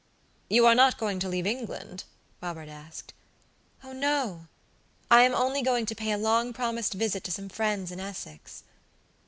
"You are not going to leave England?" Robert asked. "Oh no! I am only going to pay a long promised visit to some friends in Essex."